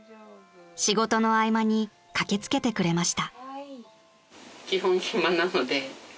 ［仕事の合間に駆けつけてくれました］